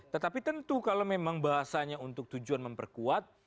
tetapi tentu kalau memang bahasanya untuk tujuan memperkuat